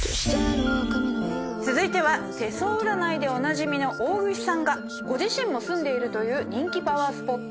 続いては手相占いでおなじみの大串さんがご自身も住んでいるという人気パワースポット